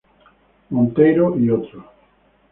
Monteiro et "al.